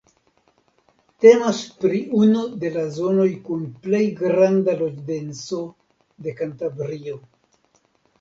Temas pri unu de la zonoj kun plej granda loĝdenso de Kantabrio.